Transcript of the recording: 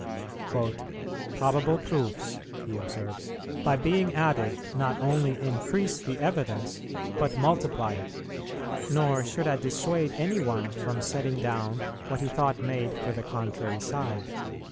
"Probable proofs," he observes, "by being added, not only increase the evidence, but multiply it. Nor should I dissuade any one from setting down what he thought made for the contrary side.